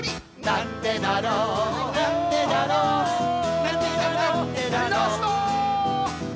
なんでだろうなんでだろうなんでだなんでだろうラスト！